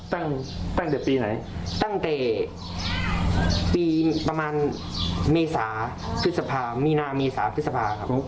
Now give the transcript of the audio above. ตั้งแต่ปีไหนตั้งแต่ปีประมาณเมษาพฤษภามีนาเมษาพฤษภาครับ